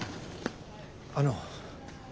あの。